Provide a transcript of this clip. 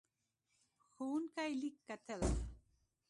ښوونکی لیک کتل.